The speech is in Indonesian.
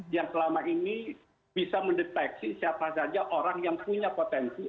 yang selama ini bisa mendeteksi siapa saja orang yang punya potensi